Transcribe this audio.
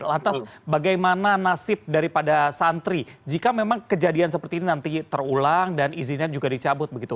lantas bagaimana nasib daripada santri jika memang kejadian seperti ini nanti terulang dan izinnya juga dicabut begitu